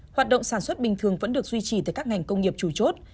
hoạt động sản xuất bình thường vẫn được duy trì tại các ngành công nghiệp chủ chốt